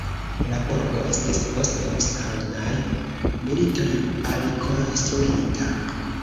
La burgo estis post husanaj militoj alikonstruita.